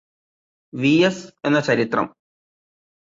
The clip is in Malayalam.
വി എസ് എന്ന ചരിത്രം